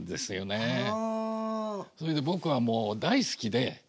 それで僕はもう大好きで。